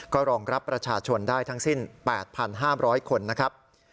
ก็รองรับประชาชนได้ทั้งสิ้น๘๕๐๐คนนะครับ